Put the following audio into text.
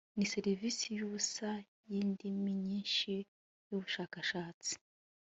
ni serivise yubusa yindimi nyinshi yubushakashatsi